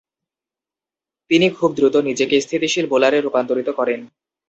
তিনি খুব দ্রুত নিজেকে স্থিতিশীল বোলারে রূপান্তরিত করেন।